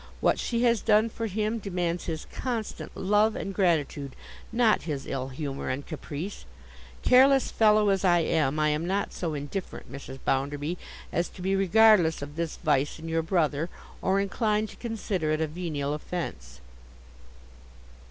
What she has done for him demands his constant love and gratitude, not his ill humour and caprice. Careless fellow as I am, I am not so indifferent, Mrs. Bounderby, as to be regardless of this vice in your brother, or inclined to consider it a venial offence.